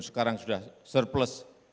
sekarang sudah surplus